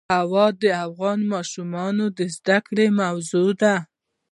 هوا د افغان ماشومانو د زده کړې موضوع ده.